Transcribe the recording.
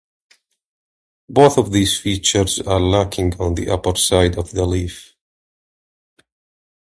Both of these features are lacking on the upper side of the leaf.